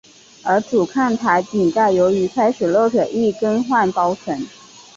而主看台顶盖由于开始漏水亦更换包层。